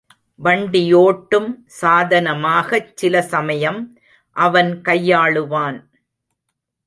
வண்டியோட்டும் சாதனமாகச் சில சமயம் அவன் கையாளுவான்.